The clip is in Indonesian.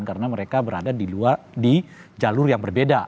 karena mereka berada di jalur yang berbeda